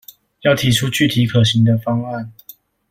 要提出具體可行的方案